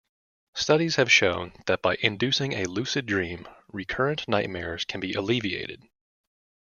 Studies have shown that by inducing a lucid dream recurrent nightmares can be alleviated.